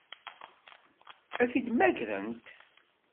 Ad t-id-mmagrent?